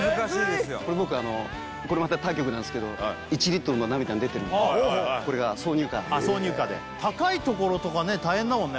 これ僕あのこれまた他局なんですけど「１リットルの涙」に出てるんでこれが挿入歌高いところとかね大変だもんね